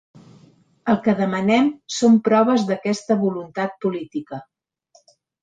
El que demanem són proves d’aquesta voluntat política.